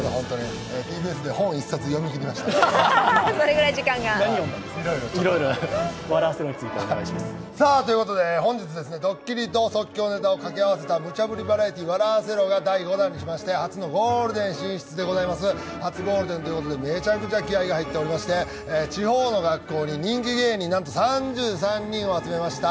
ＴＢＳで本一冊読み切りましたよ。ということで、本日ドッキリと即興ネタを掛け合わせたむちゃぶりバラエティー「笑アセろ」が、初のゴールデン進出でございます、初ゴールデンということでめちゃくちゃ気合いが入っておりまして、地方の学校に人気芸人３３人を集めました。